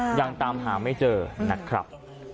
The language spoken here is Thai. ยังตามหาไม่เจอนะครับ